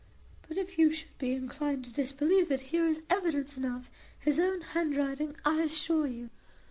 But if you should be inclined to disbelieve it, here is evidence enough, his own handwriting, I assure you."